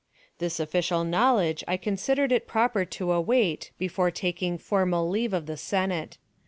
This official knowledge I considered it proper to await before taking formal leave of the Senate.